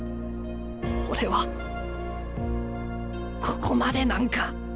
俺はここまでなんか？